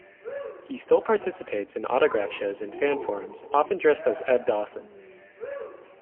He still participates in autograph shows and fan forums, often dressed as Eb Dawson.